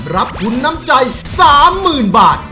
รับทุนน้ำใจ๓๐๐๐บาท